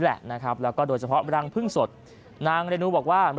และด้วยเฉพาะรังพึ่งสดนางเรนูบอกว่ารายได้